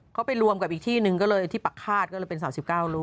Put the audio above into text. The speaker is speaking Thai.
เขาไปรวมกับอีกที่หนึ่งก็เลยที่ปักฆาตก็เลยเป็น๓๙ลูก